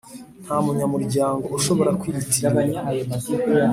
Nta munyamuryango ushobora kwiyitirira